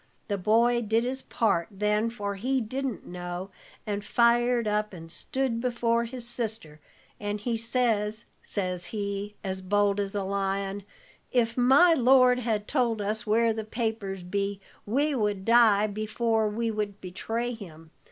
The boy did his part then, for he didn't know, and fired up and stood before his sister; and he says, says he, as bold as a lion: 'If my lord had told us where the papers be, we would die before we would betray him.